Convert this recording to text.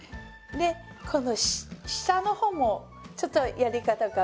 でこの下の方もちょっとやり方が変わります。